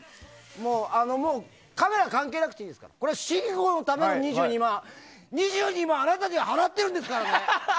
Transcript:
カメラ関係なくていいですよ。信五のために２２万、あなたたちに払ってるんですからね！